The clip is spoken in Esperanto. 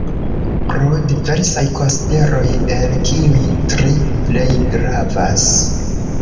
Pro diversaj konsideroj, el kiuj tri plej gravas.